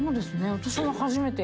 私も初めて。